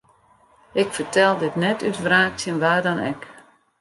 Ik fertel dit net út wraak tsjin wa dan ek.